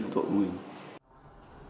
bà đầu tên hưng phạm